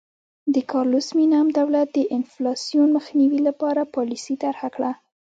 د کارلوس مینم دولت د انفلاسیون مخنیوي لپاره پالیسي طرحه کړه.